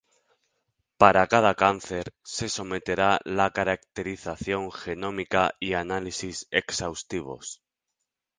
Para cada cáncer se someterá la caracterización genómica y análisis exhaustivos.